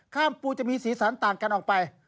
ปูจะมีสีสันต่างกันออกไป